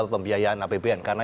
pembiayaan apbn karena